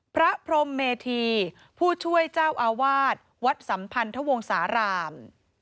พระพรมเมธีผู้ช่วยเจ้าอาวาสวัดสัมพันธวงศาลาม